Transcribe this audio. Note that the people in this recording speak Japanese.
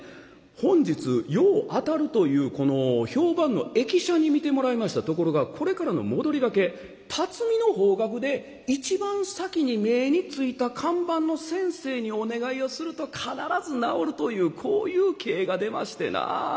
本日よう当たるというこの評判の易者に見てもらいましたところがこれからの戻りがけ辰巳の方角で一番先に目についた看板の先生にお願いをすると必ず治るというこういう卦が出ましてな。